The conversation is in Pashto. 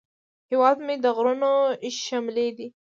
هیواد مې د غرونو شملې دي